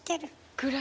暗い。